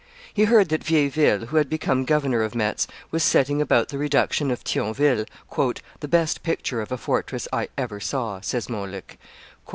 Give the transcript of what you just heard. He heard that Vieilleville, who had become governor of Metz, was setting about the reduction of Thionville, "the best picture of a fortress I ever saw," says Montluc.